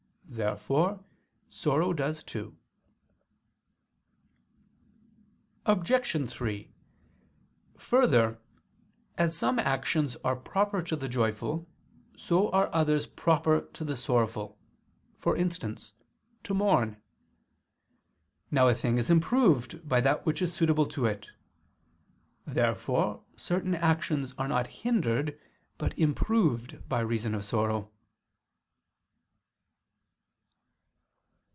Therefore sorrow does too. Obj. 3: Further, as some actions are proper to the joyful, so are others proper to the sorrowful; for instance, to mourn. Now a thing is improved by that which is suitable to it. Therefore certain actions are not hindered but improved by reason of sorrow.